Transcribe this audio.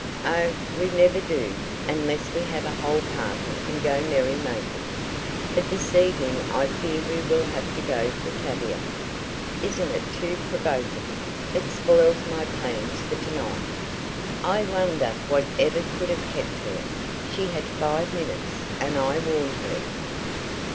"Oh, we never do, unless we have a whole party and go merry making. But this evening I fear we will have to go for Tavia. Isn't it too provoking? It spoils my plans for to night." "I wonder what ever could have kept her? She had five minutes, and I warned her."